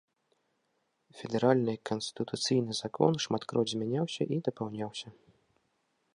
Федэральны канстытуцыйны закон шматкроць змяняўся і дапаўняўся.